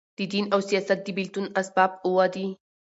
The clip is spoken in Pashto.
د دین او سیاست د بېلتون اسباب اووه دي.